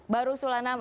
baru usulan nama